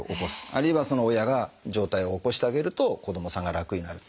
あるいは親が上体を起こしてあげると子どもさんが楽になる。